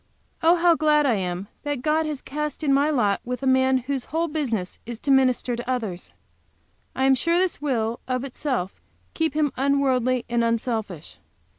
Oh, how glad I am that God has cast in my lot with a man whose whole business is to minister to others! I am sure this will, of itself, keep him unworldly and unselfish.